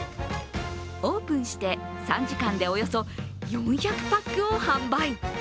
オープンして３時間でおよそ４００パックを販売。